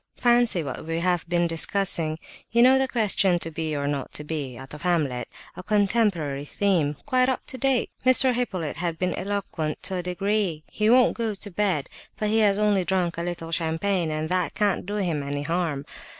Fancy what we have been discussing! You know the question, 'to be or not to be,'—out of Hamlet! A contemporary theme! Quite up to date! Mr. Hippolyte has been eloquent to a degree. He won't go to bed, but he has only drunk a little champagne, and that can't do him any harm.